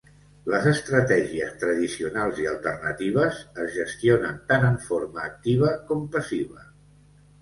Les estratègies tradicionals i alternatives es gestionen tant en forma activa com passiva.